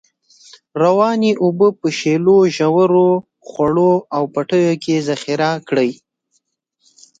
روانې اوبه په په شیلو، ژورو، خوړو او پټیو کې ذخیره کړی.